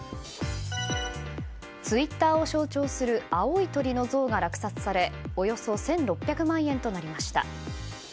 ツイッターを象徴する青い鳥の像が落札されおよそ１６００万円となりました。